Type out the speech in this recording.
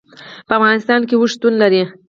په افغانستان کې اوښ شتون لري.